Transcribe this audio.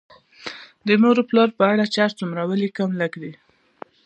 د مور او پلار په اړه چې هر څومره ولیکم لږ دي